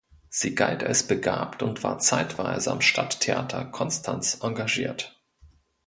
Sie galt als begabt und war zeitweise am Stadttheater Konstanz engagiert.